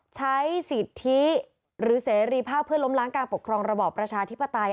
ใช้สิทธิหรือเสรีภาพเพื่อล้มล้างการปกครองระบอบประชาธิปไตย